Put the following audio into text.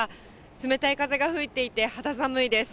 冷たい風が吹いていて、肌寒いです。